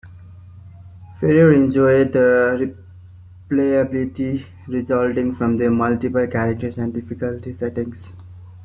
Frear enjoyed the replayability resulting from the multiple characters and difficulty settings.